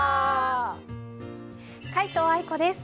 皆藤愛子です。